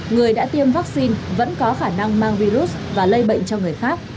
người đã tiêm vaccine vẫn có khả năng mang virus và lây bệnh cho người khác